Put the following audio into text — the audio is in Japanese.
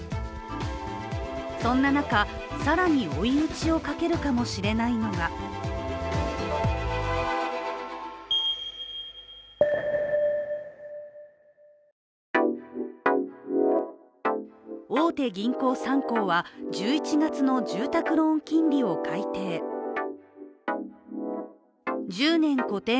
そんな中、更に追い打ちをかけるかもしれないのが大手銀行３行は１１月の住宅ローン金利を改定。